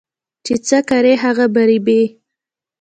چې څه کرې هغه به ريبې